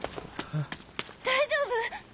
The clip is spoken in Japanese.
大丈夫？